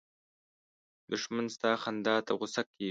دښمن ستا خندا ته غوسه کېږي